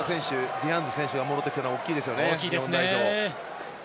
ディアンズ選手が戻ってくるというのは大きいですよね、日本代表。